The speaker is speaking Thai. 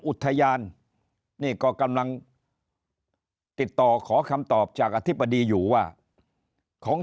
อุทยานนี่ก็กำลังติดต่อขอคำตอบจากอธิบดีอยู่ว่าของ